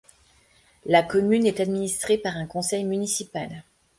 La commune est administrée par un conseil municipal.